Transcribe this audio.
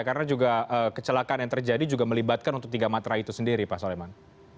karena juga kecelakaan yang terjadi juga melibatkan untuk tiga matra itu sendiri pak soleman